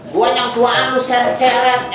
gue nyang tuaan lo seret seret